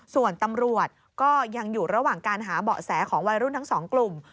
ส่วนตำรวจก็ยังอยู่ระหว่างการหาเบาะแสของวัยรุ่นทั้งสองกลุ่ม